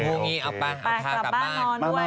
ง่วงนี้เอาพากลับบ้าน